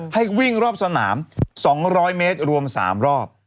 ให้วิ่งรอบสนาม๒๐๐เมตรรวม๓รอบ